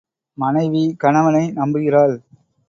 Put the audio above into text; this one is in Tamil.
மனைவி கணவனை நம்புகிறாள்.